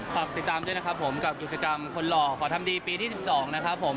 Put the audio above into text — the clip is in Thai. ฝากติดตามด้วยนะครับผมกับกิจกรรมคนหล่อขอทำดีปีที่๑๒นะครับผม